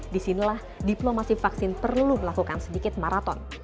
disinilah diplomasi vaksin perlu melakukan sedikit maraton